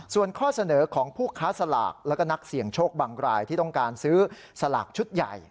ส่วนข้อเสนอของผู้ค้าสลากแล้วก็นักเสี่ยงโชคบางรายที่ต้องการซื้อสลากชุดใหญ่